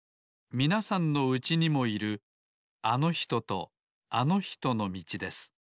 みなさんのうちにもいるあのひととあのひとのみちです